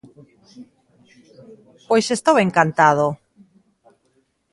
Pois estou encantado.